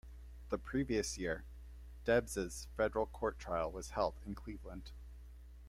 The previous year, Debs's Federal Court trial was held in Cleveland.